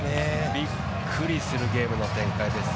びっくりするゲームの展開です。